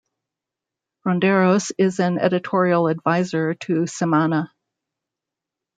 Ronderos is an editorial advisor to Semana.